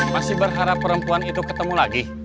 masih berharap perempuan itu ketemu lagi